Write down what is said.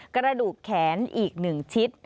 กระดูกแขนอีก๑ชิด